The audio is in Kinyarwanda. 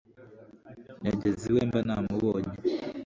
Yageze iwe mba namubonye